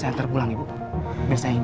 semoga kamu lebih kencang